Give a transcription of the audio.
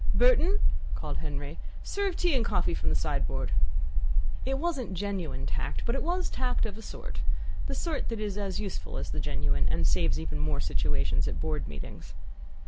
"Burton," called Henry, "serve tea and coffee from the side board!" It wasn't genuine tact, but it was tact, of a sort the sort that is as useful as the genuine, and saves even more situations at Board meetings.